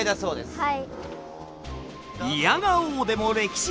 はい。